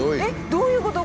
どういうこと？